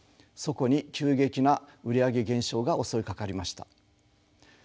そこに急激な売り上げ減少が襲いかかりました。